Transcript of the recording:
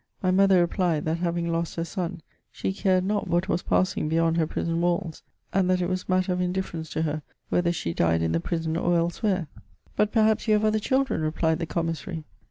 My mother replied, that having lost her son, she cared not what was passing beyond her prison walls, and that it was matter of indifference to her whether she died in the prison or elsewhere. *• But perhaps you have other children,'* replied the commissary.